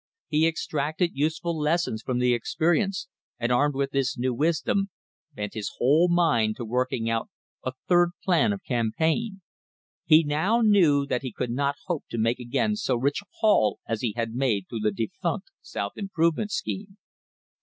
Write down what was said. He extracted useful lessons from the experience, and, armed with this new wisdom, bent his whole mind to working out a third plan of campaign. He now knew that he could not hope to make again so rich a haul as he had made through the defunct South Improvement scheme.